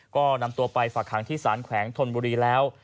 ก็นำตัวไปฝากหางที่สารแขวงธนบุรีแล้ว